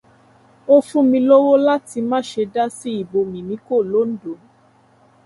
Ó fún mi lówó láti máṣe dá sí ìbò Mìmíkò l'Óndò.